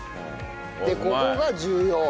でここが重要。